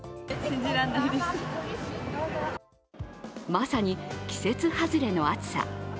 まさに季節外れの暑さ。